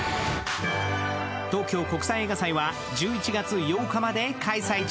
東京国際映画祭は１１月８日まで開催中。